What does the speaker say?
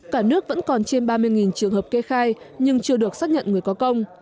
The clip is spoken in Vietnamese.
cả nước vẫn còn trên ba mươi trường hợp kê khai nhưng chưa được xác nhận người có công